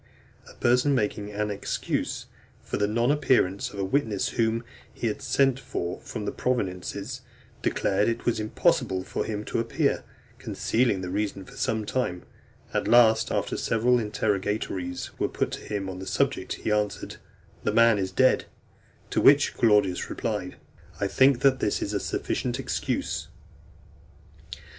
A person making an excuse for the non appearance of a witness whom he had sent for from the provinces, declared it was impossible for him to appear, concealing the reason for some time: at last, after several interrogatories were put to him on the subject, he answered, "The man is dead;" to which Claudius replied, "I think that is a sufficient excuse."